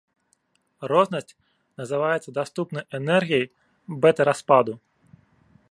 Рознасць называецца даступнай энергіяй бэта-распаду.